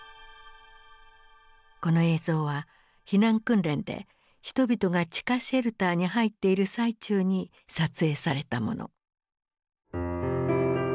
この映像は避難訓練で人々が地下シェルターに入っている最中に撮影されたもの。